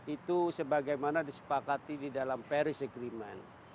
itu sebagaimana disepakati di dalam pembangunan